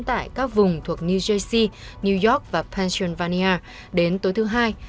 tại các vùng thuộc new jersey new york và pennsylvania đến tối thứ hai